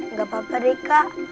nggak apa apa deh kak